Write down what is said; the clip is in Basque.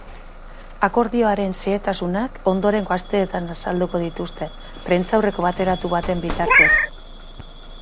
Akordioaren xehetasunak ondorengo asteetan azalduko dituzte, prentsaurreko bateratu baten bitartez.